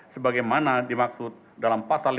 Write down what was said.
sebagaimana dimaksud dalam pasal lima puluh